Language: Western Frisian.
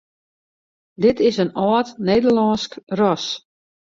Dit is in âld Nederlânsk ras.